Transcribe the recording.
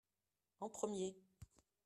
en premier.